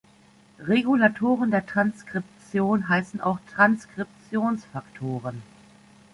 Regulatoren der Transkription heißen auch Transkriptionsfaktoren.